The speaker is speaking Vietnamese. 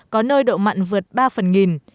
có nơi độ mặn vượt ba phần nghìn